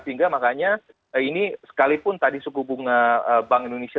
sehingga makanya ini sekalipun tadi suku bunga bank indonesia